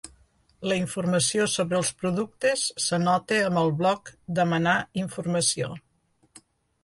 La informació sobre els productes s'anota amb el bloc demanar informació.